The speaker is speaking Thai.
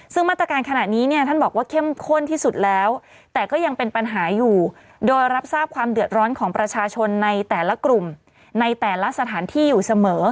ซึ่งมาตรการขณะนี้เนี่ยท่านบอกว่าเข้มข้นที่สุดแล้วแต่ก็ยังเป็นปัญหาอยู่โดยรับทราบความเดือดร้อนของประชาชนในแต่ละกลุ่มในแต่ละสถานที่อยู่เสมอ